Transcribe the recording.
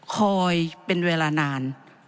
คอยเป็นเวลานาน